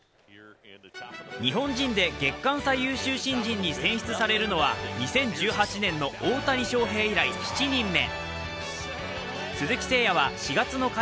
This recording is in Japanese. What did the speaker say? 日本人で月間最優秀新人に選出されるのは２０１８年の大谷翔平以来７人目。